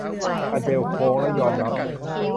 อเดลล์โค้งและยอมรับ